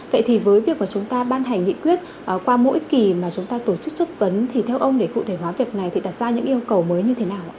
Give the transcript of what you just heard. vậy thì với việc mà chúng ta ban hành nghị quyết qua mỗi kỳ mà chúng ta tổ chức chất vấn thì theo ông để cụ thể hóa việc này thì đặt ra những yêu cầu mới như thế nào ạ